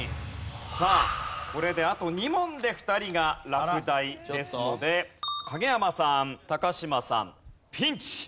さあこれであと２問で２人が落第ですので影山さん嶋さんピンチ！